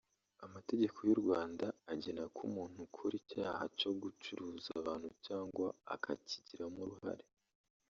Amategeko y’u Rwanda agena ko umuntu ukora icyaha cyo gucuruza abantu cyangwa akakigiramo uruhare